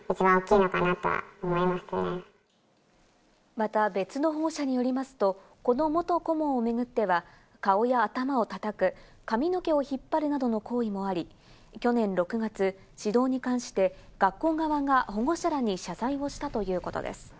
また別の保護者によりますと、この元顧問をめぐっては、顔や頭を叩く、髪の毛を引っ張るなどの行為もあり、去年６月、指導に関して学校側が保護者らに謝罪をしたということです。